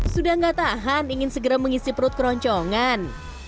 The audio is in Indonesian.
sudah gak tahan ingin segera mengisi perut keroncongan